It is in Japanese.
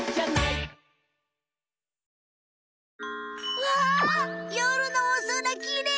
うわよるのおそらきれい！